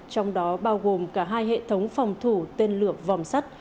trong đó bao gồm cả hai hệ thống phòng thủ tên lửa vòm sắt